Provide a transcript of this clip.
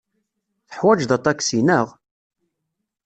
Teḥwajeḍ aṭaksi, naɣ?